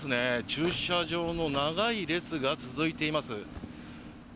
駐車場の長い列が続いています。